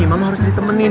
nanti mama harus ditemenin